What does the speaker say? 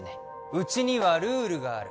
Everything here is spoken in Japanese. うちにはルールがある